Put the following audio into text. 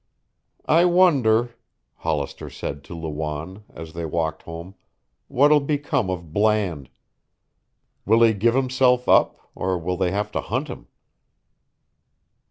"I wonder," Hollister said to Lawanne, as they walked home, "what'll become of Bland? Will he give himself up, or will they have to hunt him?"